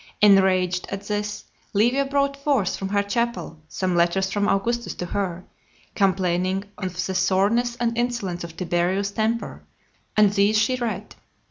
Enraged at this, Livia brought forth from her chapel some letters from Augustus to her, complaining of the sourness and insolence of Tiberius's temper, and these she read.